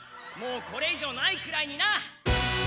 もうこれ以上ないくらいにな」